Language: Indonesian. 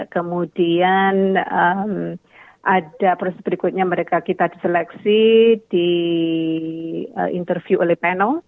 kemudian ada proses berikutnya mereka kita diseleksi di interview oleh pleno